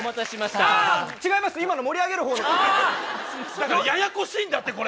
だからややこしいんだってこれ！